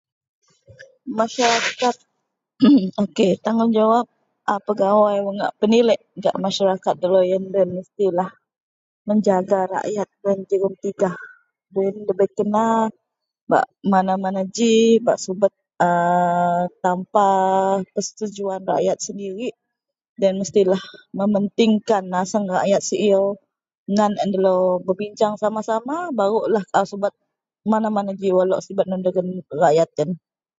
masyarakat.. emm ok tanggungjawab a pegawai wak ngak penileak gak masyarakat deloien, deloien mestilah menjaga rakyat loien jegum tigah deloien dabei kena bak mana mana ji bak subet aa tanpa persetujuan rakyat sendirik then mestilah mementingkan nasang rakyat sieaw ngan a endelou berbincang sama sama barulah au sibet mana mana ji wak lok nou sibet nou dagen rakyat ien